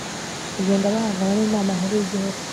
kugenda bahangana n'inama nkuru y'igihugu